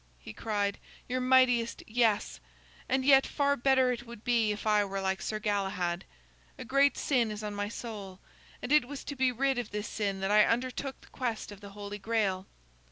he cried, "your mightiest, yes; and yet, far better it would be if I were like Sir Galahad. A great sin is on my soul, and it was to be rid of this sin that I undertook the quest of the Holy Grail.